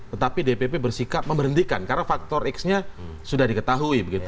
tetapi dpp bersikap memberhentikan karena faktor x nya sudah diketahui begitu